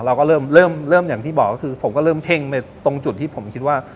เราก็เริ่มเริ่มอย่างที่บอกก็คือผมก็เริ่มเท่งไปตรงจุดที่ผมคิดว่า